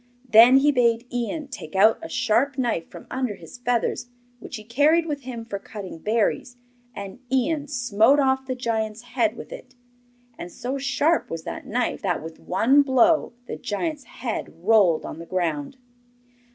Then he bade Ian take out a sharp knife from under his feathers, which he carried with him for cutting berries, and Ian smote off the giant's head with it. And so sharp was that knife that, with one blow, the giant's head rolled on the ground.